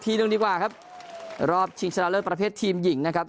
หนึ่งดีกว่าครับรอบชิงชนะเลิศประเภททีมหญิงนะครับ